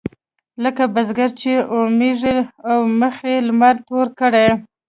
لکه بزګر چې اورمېږ او مخ يې لمر تور کړي.